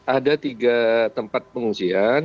ada tiga tempat pengungsian